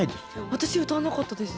私歌わなかったです。